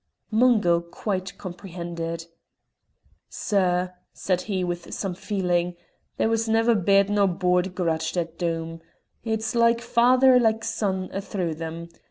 Mungo quite comprehended. "Sir," said he, with some feeling, "there was never bed nor board grudged at Doom. It's like father like son a' through them.